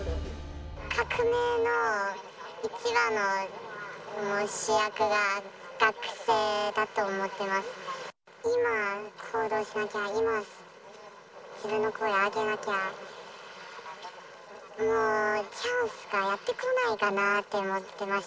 革命の一番の主役が学生だと思ってます。